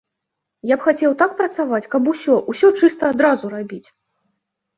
Я б хацеў так працаваць, каб усё, усё чыста адразу зрабіць!